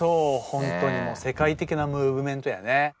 本当にもう世界的なムーブメントやね。